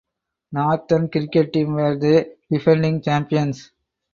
Northern cricket team were the defending champions.